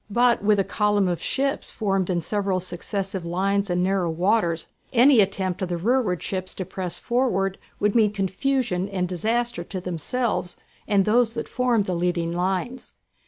But with a column of ships formed in several successive lines in narrow waters any attempt of the rearward ships to press forward would mean confusion and disaster to themselves and those that formed the leading lines.